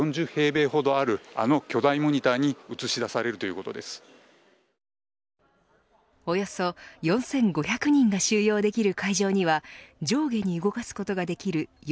会場は４０平米ほどあるあの巨大モニターにおよそ４５００人が収容できる会場には上下に動かすことができる